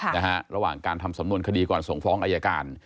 ระหว่างการทำสำนวนคดีก่อนส่งฟ้องอายการ